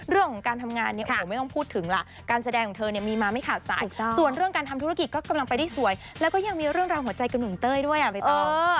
เรื่องของการทำงานเนี่ยโอ้โหไม่ต้องพูดถึงล่ะการแสดงของเธอเนี่ยมีมาไม่ขาดสายส่วนเรื่องการทำธุรกิจก็กำลังไปได้สวยแล้วก็ยังมีเรื่องราวหัวใจกับหนุ่มเต้ยด้วยอ่ะใบเตย